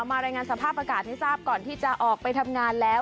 รายงานสภาพอากาศให้ทราบก่อนที่จะออกไปทำงานแล้ว